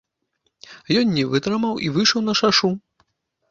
Ён не вытрымаў і выйшаў на шашу.